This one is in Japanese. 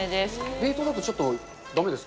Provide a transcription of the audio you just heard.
冷凍だと、ちょっとだめです